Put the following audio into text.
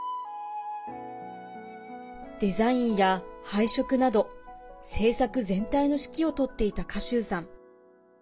デザインや配色など制作全体の指揮を執っていた、賀集さん。